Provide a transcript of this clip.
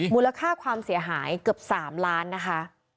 มูลค่าความเสียหายเกือบ๓ล้านนะคะ